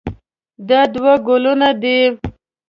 دا دوه ګلونه دي.